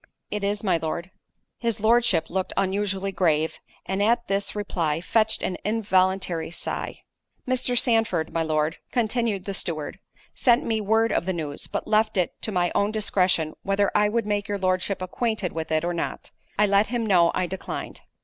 "It is, my Lord." His Lordship looked unusually grave, and at this reply, fetched an involuntary sigh. "Mr. Sandford, my lord," continued the steward, "sent me word of the news, but left it to my own discretion, whether I would make your Lordship acquainted with it or not: I let him know I declined."